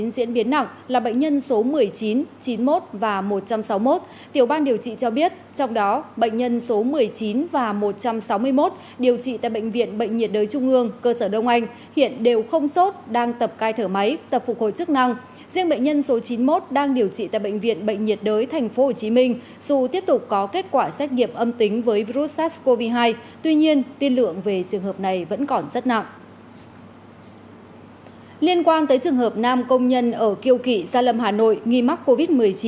liên quan tới trường hợp nam công nhân ở kiêu kỵ gia lâm hà nội nghi mắc covid một mươi chín